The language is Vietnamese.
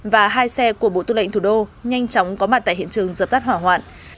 và hai xe của bộ tư lệnh thủ đô nhanh chóng có mặt tại hiện trường dập tắt hỏa hoạn